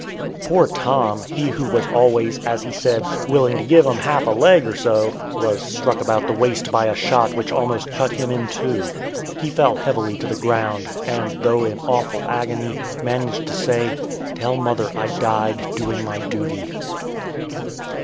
Poor Tom, he who was always, as he said, "willing to give 'em half a leg, or so," was struck about the waist by a shot which almost cut him in two. He fell heavily to the ground, and, though in awful agony, managed to say: "Tell mother I died doing my duty."